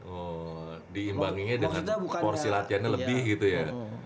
oh diimbanginnya dengan porsi latihannya lebih gitu ya